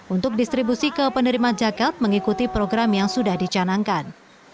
untuk distribusi ke penerimaan jaket mengikuti program yang sudah dicanangkan